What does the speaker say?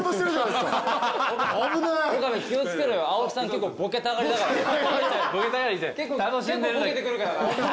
結構ボケてくるからな。